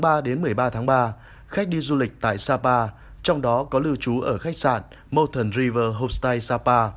sau khi nhập cảnh vào hà nội parasite center hotel khách đi du lịch tại sapa trong đó có lưu trú ở khách sạn mountain river hostel sapa